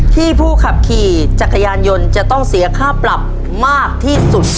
ผู้ขับขี่จักรยานยนต์จะต้องเสียค่าปรับมากที่สุด